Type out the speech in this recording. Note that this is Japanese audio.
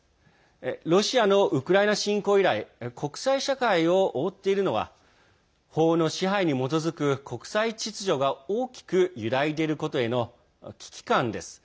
ロシアのウクライナ侵攻以来国際社会を覆っているのは法の支配に基づく国際秩序が大きく揺らいでいることへの危機感です。